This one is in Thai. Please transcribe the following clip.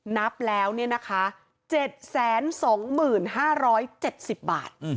นับแล้วเนี่ยนะคะ๗๒๕๐๕๗๐บาท